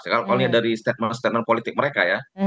kalau lihat dari statement statement politik mereka ya